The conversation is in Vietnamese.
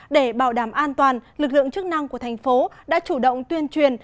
để bảo đảm an toàn lực lượng chức năng của thành phố đã chủ động tuyên truyền